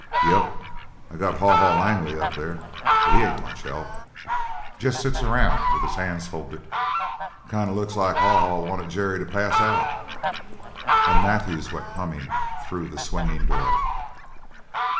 "Yep. I got Haw Haw Langley up there. But he ain't much help. Just sits around with his hands folded. Kind of looks like Haw Haw wanted Jerry to pass out." And Matthews went humming through the swinging door.